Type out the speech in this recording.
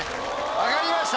分かりました。